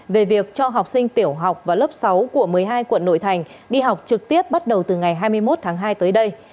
về việc cho học sinh tiểu học và lớp sáu của một mươi hai quận nội thành đi học trực tiếp bắt đầu từ ngày hai mươi một tháng hai tới đây